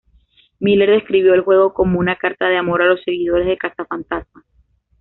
Miller describió el juego como una "carta de amor a los seguidores de "Cazafantasmas"".